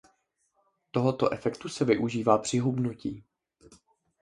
Tohoto efektu se využívá při hubnutí.